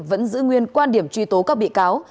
vẫn giữ nguyên quan điểm truy tố các bị cáo